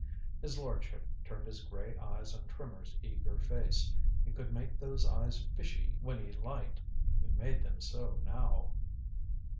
His lordship turned his gray eyes on Trimmer's eager face. He could make those eyes fishy when he liked he made them so now.